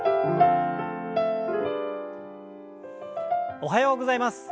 おはようございます。